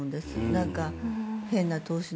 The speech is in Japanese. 何か。